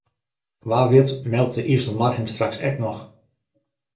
Wa wit meldt de Iselmar him straks ek noch.